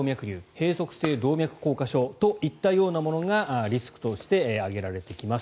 閉塞性動脈硬化症というものがリスクとして挙げられてきます。